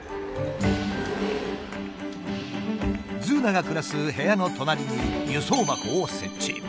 ズーナが暮らす部屋の隣に輸送箱を設置。